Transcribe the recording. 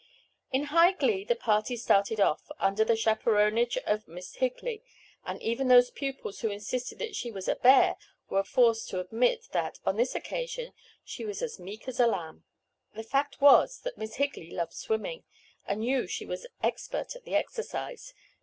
In high glee the party started off, under the chaperonage of Miss Higley, and even those pupils who insisted that she was "a bear" were forced to admit that, on this occasion, she was "as meek as a lamb." The fact was that Miss Higley loved swimming, and knew she was expert at the exercise.